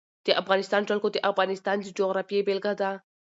د افغانستان جلکو د افغانستان د جغرافیې بېلګه ده.